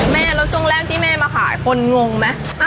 แม่รถตรงแรงที่แม่มาขายคนงงไหม